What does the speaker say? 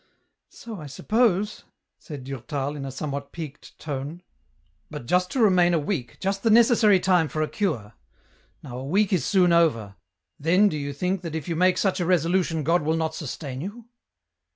" So I suppose," said Durtal, in a somewhat piqued tone. " But just to remain a week, just the necessary time for a cure. Now a week is soon over, then do you think that if you make such a resolution God will not sustain you